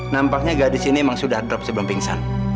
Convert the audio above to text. nampaknya gadis ini memang sudah drop sebelum pingsan